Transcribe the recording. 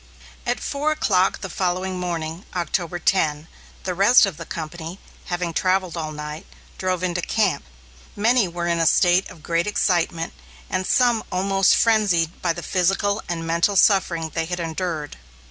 At four o'clock the following morning, October 10, the rest of the company, having travelled all night, drove into camp. Many were in a state of great excitement, and some almost frenzied by the physical and mental suffering they had endured.